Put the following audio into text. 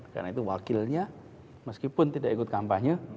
karena itu wakilnya meskipun tidak ikut kampanye